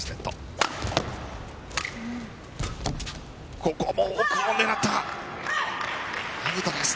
ここも奥を狙った。